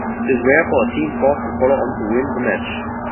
It is rare for a team forced to follow on to win the match.